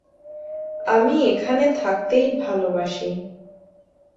আমি এখানে থাকতেই ভালোবাসি।